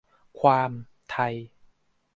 ความ "ไทย"